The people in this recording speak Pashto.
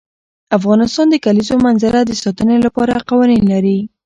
افغانستان د د کلیزو منظره د ساتنې لپاره قوانین لري.